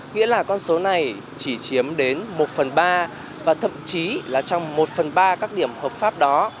nghĩa là con số này chỉ chiếm đến một phần ba và thậm chí là trong một phần ba các điểm hợp pháp đó